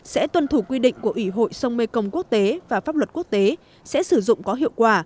sẽ tuân thủ quy định của ủy hội sông mekong quốc tế và pháp luật quốc tế sẽ sử dụng có hiệu quả